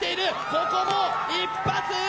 ここも一発！